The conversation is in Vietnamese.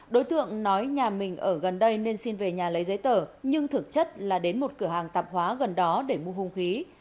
đối tượng nói nhà mình ở gần đây nên xin về nhà lấy giấy tờ nhưng thực chất là đến một cửa hàng tạp hóa gần đó để mua hung khí